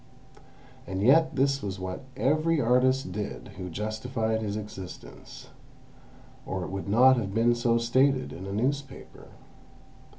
And yet this was what every artist did who justified his existence—or it would not have been so stated in a newspaper.